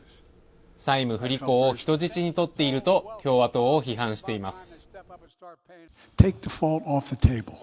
債務不履行を人質にとっていると共和党を批判しています。